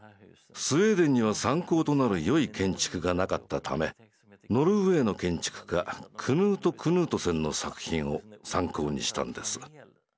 スウェーデンには参考となるよい建築がなかったためノルウェーの建築家クヌート・クヌートセンの作品を参考にしたんです。